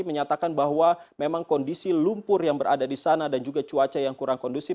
menyatakan bahwa memang kondisi lumpur yang berada di sana dan juga cuaca yang kurang kondusif